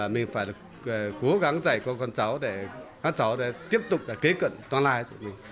mình phải cố gắng dạy con cháu để con cháu tiếp tục kế cận toàn lai